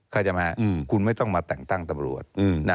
เข้าใจไหมครับคุณไม่ต้องมาแต่งตั้งตำรวจ